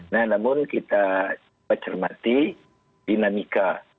nah namun kita cermati dinamika